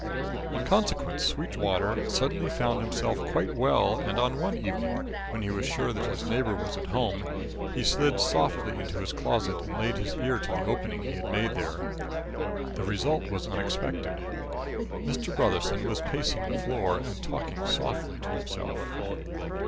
In consequence, Sweetwater suddenly found himself quite well and one evening, when he was sure that his neighbour was at home, he slid softly into his closet and laid his ear to the opening he had made there. The result was unexpected. Mr. Brotherson was pacing the floor, and talking softly to himself.